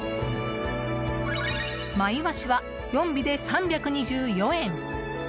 真イワシは４尾で３２４円。